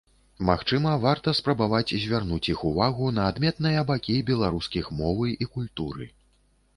Магчыма, варта спрабаваць звярнуць іх увагу на адметныя бакі беларускіх мовы і культуры.